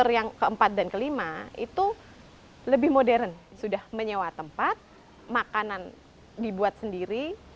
yang keempat dan kelima itu lebih modern sudah menyewa tempat makanan dibuat sendiri